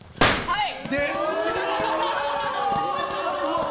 はい！